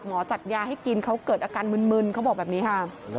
หมอจัดยาให้กินเขาเกิดอาการมึนเขาบอกแบบนี้ค่ะ